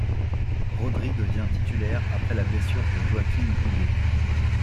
Rodri devient titulaire après la blessure de Joaquim Brugué.